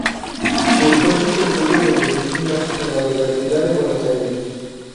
Cursó sus estudios de medicina en la Universidad de Buenos Aires.